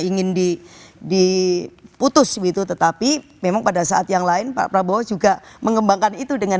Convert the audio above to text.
ingin di diputus begitu tetapi memang pada saat yang lain pak prabowo juga mengembangkan itu dengan